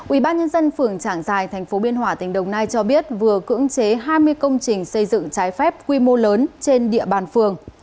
ubnd phường trảng giải tp biên hòa tỉnh đồng nai cho biết vừa cưỡng chế hai mươi công trình xây dựng trái phép quy mô lớn trên địa bàn phường